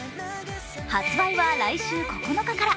発売は来週９日から。